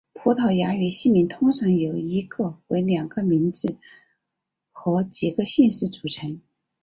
葡萄牙语姓名通常由一个或两个名字和几个姓氏组成。